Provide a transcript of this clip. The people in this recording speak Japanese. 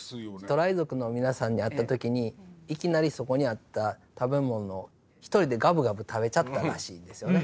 トライ族の皆さんに会った時にいきなりそこにあった食べ物１人でガブガブ食べちゃったらしいんですよね。